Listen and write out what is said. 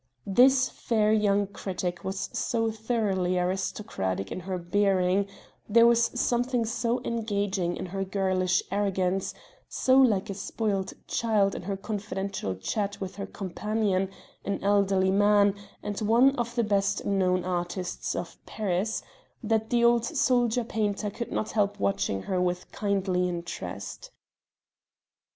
This fair young critic was so thoroughly aristocratic in her bearing, there was something so engaging in her girlish arrogance, so like a spoilt child in her confidential chat with her companion an elderly man, and one of the best known artists of Paris that the old soldier painter could not help watching her with kindly interest.